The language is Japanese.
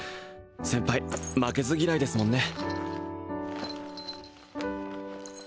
先輩負けず嫌いですもんね